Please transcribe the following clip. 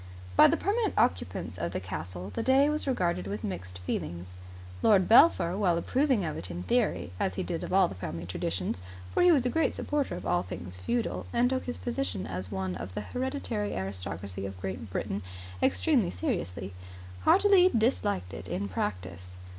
By the permanent occupants of the castle the day was regarded with mixed feelings. Lord Belpher, while approving of it in theory, as he did of all the family traditions for he was a great supporter of all things feudal, and took his position as one of the hereditary aristocracy of Great Britain extremely seriously heartily disliked it in practice.